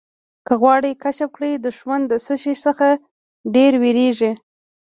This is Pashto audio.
که غواړې کشف کړې دښمن د څه شي څخه ډېر وېرېږي.